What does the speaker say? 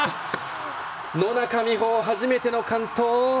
野中生萌、初めての完登！